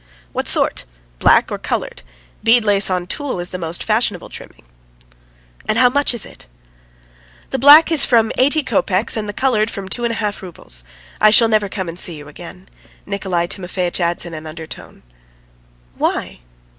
"What sort? Black or coloured? Bead lace on tulle is the most fashionable trimming." "And how much is it?" "The black's from eighty kopecks and the coloured from two and a half roubles. I shall never come and see you again," Nikolay Timofeitch adds in an undertone. "Why?"